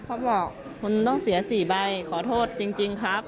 เขาบอกคุณต้องเสีย๔ใบขอโทษจริงครับ